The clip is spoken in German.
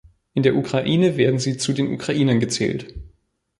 In der Ukraine werden sie zu den Ukrainern gezählt.